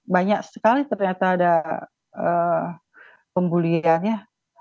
banyak sekali ternyata ada pembulian ya